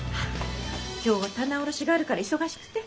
今日は棚卸しがあるから忙しくて。